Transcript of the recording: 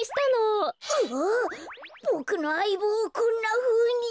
ボクのあいぼうをこんなふうに。